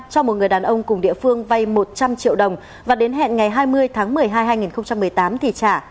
cho một người đàn ông cùng địa phương vay một trăm linh triệu đồng và đến hẹn ngày hai mươi tháng một mươi hai hai nghìn một mươi tám thì trả